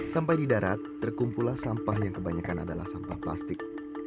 sampai di darat terkumpullah sampah yang kebanyakan adalah sampah plastik